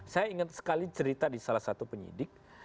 saya ingat sekali cerita di salah satu penyidik